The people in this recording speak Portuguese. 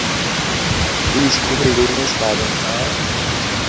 Ele escorregou na escada.